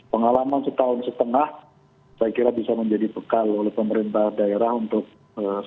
pengalaman setahun setengah saya kira bisa menjadi bekal oleh pemerintah daerah untuk